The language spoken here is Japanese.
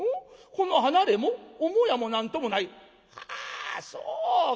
この離れも母屋も何ともない？はあそうか。